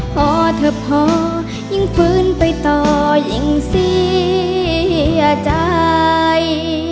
พอเธอพอยิ่งฟื้นไปต่อยิ่งเสียใจ